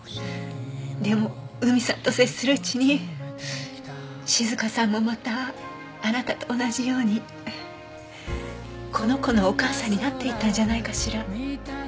でも海さんと接するうちに静香さんもまたあなたと同じようにこの子のお母さんになっていったんじゃないかしら。